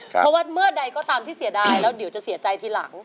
เพราะว่าเมื่อใดก็ตามที่เสียดายแล้วเดี๋ยวจะเสียใจทีหลัง